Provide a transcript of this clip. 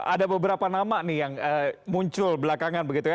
ada beberapa nama nih yang muncul belakangan begitu ya